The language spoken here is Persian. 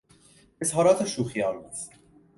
اظهارات شوخی آمیز